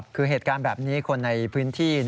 คือเหตุการณ์แบบนี้คนในพื้นที่